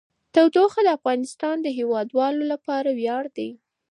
تودوخه د افغانستان د هیوادوالو لپاره ویاړ دی.